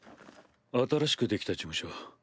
新しく出来た事務所。